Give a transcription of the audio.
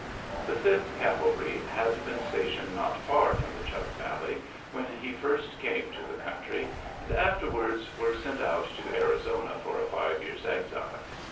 The Fifth Cavalry had been stationed not far from the Chug Valley when he first came to the country, and afterwards were sent out to Arizona for a five years' exile.